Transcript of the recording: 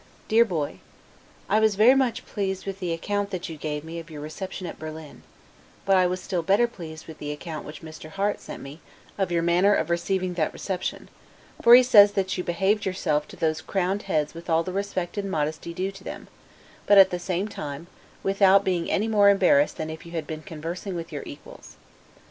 DEAR BOY: I was very much pleased with the account that you gave me of your reception at Berlin; but I was still better pleased with the account which Mr. Harte sent me of your manner of receiving that reception; for he says that you behaved yourself to those crowned heads with all the respect and modesty due to them; but at the same time, without being any more embarrassed than if you had been conversing with your equals.